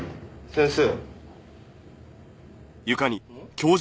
先生。